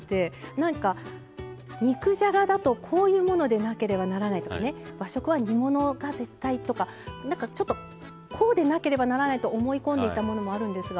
なんか肉じゃがだとこういうものでなければならないとかね和食は煮物が絶対とかなんかちょっとこうでなければならないと思い込んでいたものもあるんですが。